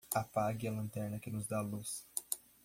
Apague a lanterna que nos dá luz.